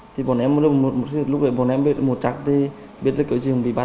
thì bọn em lúc đấy bọn em biết là một chắc thì biết là kiểu gì không bị bắt